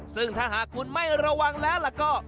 ซึ่งถ้าหากคุณไม่ระวังแล้วก็